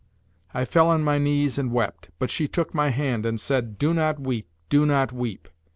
I fell on my knees and wept, but she took my hand and said: 'Do not weep, do not weep!'